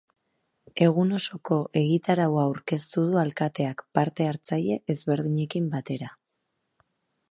Egun osoko egitaraua aurkeztu du alkateak, parte-hartzaile ezberdinekin batera.